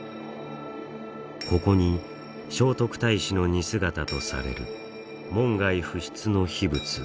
ここに聖徳太子の似姿とされる門外不出の秘仏